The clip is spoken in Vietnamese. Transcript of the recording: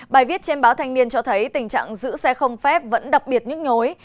bài viết trên báo thanh niên cho thấy tình trạng giữ xe không phép vẫn đặc biệt nhức nhối